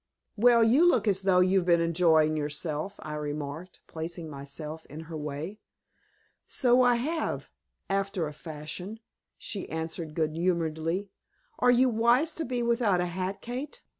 "Well, you look as though you had been enjoying yourself," I remarked, placing myself in her way. "So I have after a fashion," she answered, good humoredly. "Are you wise to be without a hat, Kate?